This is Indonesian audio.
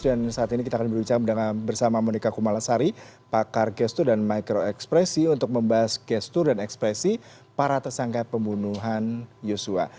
dan saat ini kita akan berbicara bersama monica kumala sari pakar gestur dan microekspresi untuk membahas gestur dan ekspresi para tersangka pembunuhan yosua